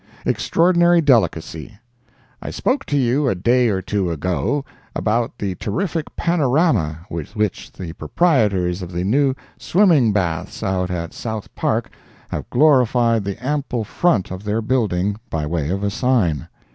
EXTRAORDINARY DELICACY I spoke to you a day or two ago about the terrific panorama with which the proprietors of the new swimming baths out at South Park have glorified the ample front of their building by way of a sign.